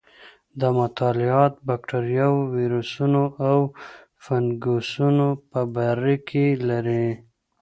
دا مطالعات بکټریاوو، ویروسونو او فنګسونو په برکې لري.